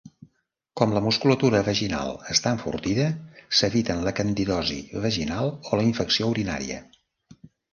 Com la musculatura vaginal està enfortida, s'eviten la candidosi vaginal o la infecció urinària.